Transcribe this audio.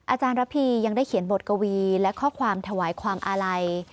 อาจารย์ระพียังได้เขียนบทกวีและข้อความถวายความอาลัย